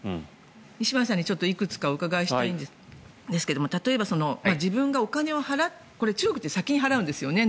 西村さんにいくつかお伺いしたいんですが例えば、自分がお金を払ってこれ、中国って先に払うんですよね